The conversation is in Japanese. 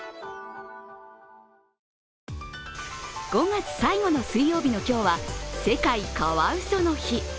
５月最後の水曜日の今日は、世界カワウソの日。